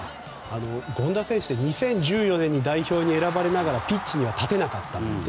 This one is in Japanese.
権田選手って２０１４年に代表に選ばれながら選ばれながらピッチには立てなかった。